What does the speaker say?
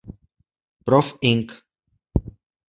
Prof. ing.